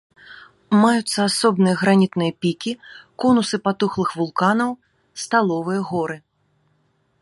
Маюцца асобныя гранітныя пікі, конусы патухлых вулканаў, сталовыя горы.